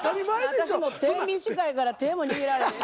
私も手短いから手も握られへん。